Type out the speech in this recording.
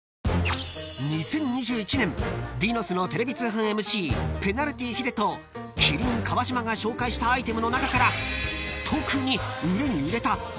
［２０２１年ディノスのテレビ通販ＭＣペナルティヒデと麒麟川島が紹介したアイテムの中から特に売れに売れた